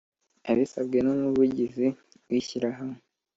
Abisabwe n Umuvugizi w Ishyirahamwe